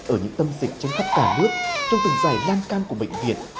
ở những tâm dịch trên khắp cả nước trong từng giải lan can của bệnh viện